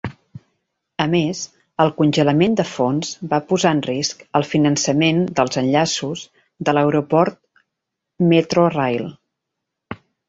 A més, el congelament de fons va posar en risc el finançament dels enllaços de l'aeroport Metrorail.